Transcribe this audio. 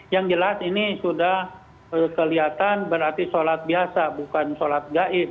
yang jelas ini sudah kelihatan berarti sholat biasa bukan sholat gaib